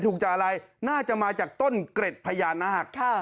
ถูกจากอะไรน่าจะมาจากต้นเกร็ดพะยานนะครับ